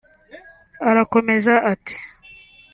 Arakomeza ati